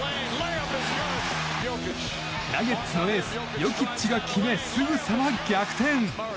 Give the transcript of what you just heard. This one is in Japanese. ナゲッツのエースヨキッチが決め、すぐさま逆転！